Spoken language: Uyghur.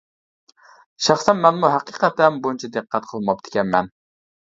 شەخسەن مەنمۇ ھەقىقەتەن بۇنچە دىققەت قىلماپتىكەنمەن.